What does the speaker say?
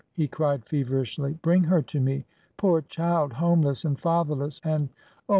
" he cried feverishly. Bring her to me! Poor child!— homeless and fatherless, and — oh.